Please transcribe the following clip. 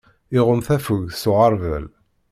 Iɣumm tafugt s uɣerbal.